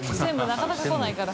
なかなか来ないから。